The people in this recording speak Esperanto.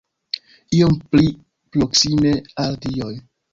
Iom pli proksime al dioj!